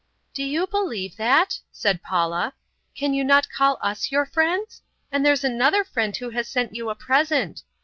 "Do you believe that?" said Paula. "Can you not call us your friends? And there's another friend who has sent you a present.